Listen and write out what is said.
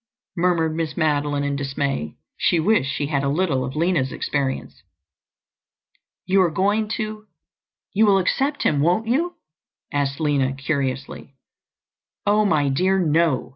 murmured Miss Madeline in dismay. She wished she had a little of Lina's experience. "You are going to—you will accept him, won't you?" asked Lina curiously. "Oh, my dear, no!"